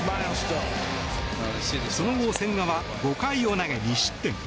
その後、千賀は５回を投げ２失点。